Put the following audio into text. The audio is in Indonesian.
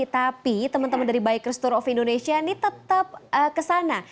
tapi teman teman dari bikers tour of indonesia ini tetap kesana